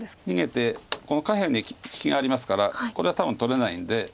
逃げてこの下辺に利きがありますからこれは多分取れないんで。